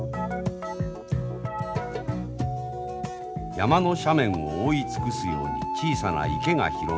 山の斜面を覆い尽くすように小さな池が広がります。